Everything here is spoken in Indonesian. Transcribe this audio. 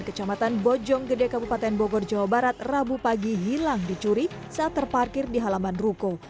kecamatan bojong gede kabupaten bogor jawa barat rabu pagi hilang dicuri saat terparkir di halaman ruko